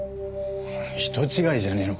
人違いじゃねえのか？